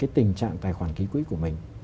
tình trạng tài khoản ký quỹ của mình